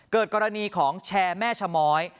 เกิดกรณีของแชร์แม่ชะม้อย